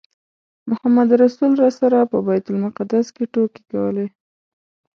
محمدرسول راسره په بیت المقدس کې ټوکې کولې.